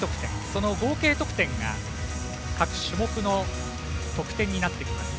その合計得点が各種目の得点です。